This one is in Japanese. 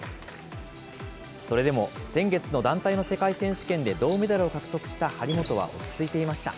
それでも先月の団体の世界選手権で銅メダルを獲得した張本は落ち着いていました。